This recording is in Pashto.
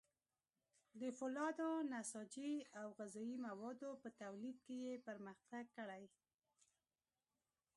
د فولادو، نساجي او غذايي موادو په تولید کې یې پرمختګ کړی.